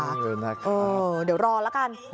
เดี๋ยวรอแล้วกัน